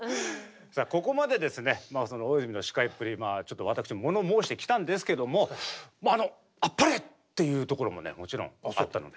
さあここまでですね大泉の司会っぷり私もの申してきたんですけどもあっぱれっていうところももちろんあったので。